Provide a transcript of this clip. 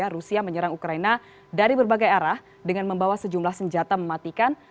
rusia menyerang ukraina dari berbagai arah dengan membawa sejumlah senjata mematikan